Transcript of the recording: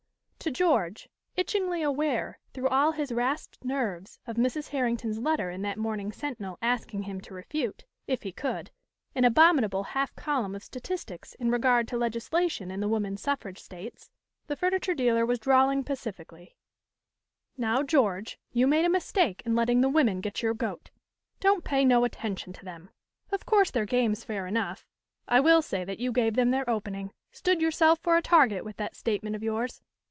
To George, itchingly aware through all his rasped nerves of Mrs. Herrington's letter in that morning's Sentinel asking him to refute, if he could, an abominable half column of statistics in regard to legislation in the Woman Suffrage States, the furniture dealer was drawling pacifically: "Now, George, you made a mistake in letting the women get your goat. Don't pay no attention to them. Of course their game's fair enough. I will say that you gave them their opening; stood yourself for a target with that statement of yours.